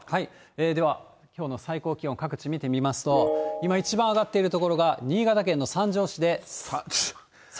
では、きょうの最高気温、各地見てみますと、今、一番上がっている所が新潟県の三条市で３８．８度。